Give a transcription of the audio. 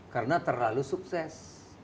karena terlalu sukses